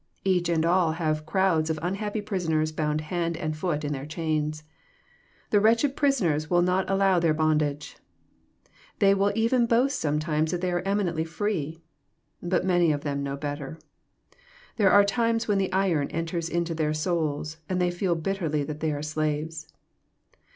Each and all have crowds of unhappy prisoners bound hand and foot in their chains. The wretched prisoners will not allow their bond age. They will even boast sometimes that they are eminently free. But many of them know better. There are times when the iron enters into their souls, and they feel bitterly that they are slaves.